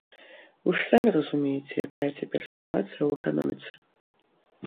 Вы ж самі разумееце, якая цяпер сітуацыя ў эканоміцы.